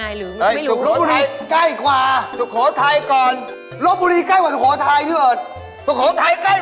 มันกลายขวาแล้วก่อนได้ไง